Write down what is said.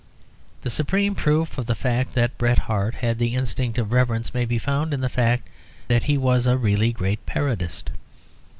The supreme proof of the fact that Bret Harte had the instinct of reverence may be found in the fact that he was a really great parodist.